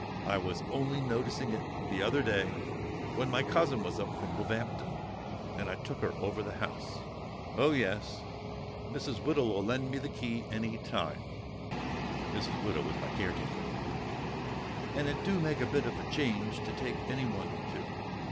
I was only noticing it th'other day, when my cousin was up from Woolv'ampton, and I took her over the house.... Oh, yes, Mrs. Widow'll lend me the key any time" (Mrs. Widow is my caretaker), "and it do make a bit of a change to take anyone to.